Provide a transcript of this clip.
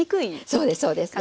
そうですそうです。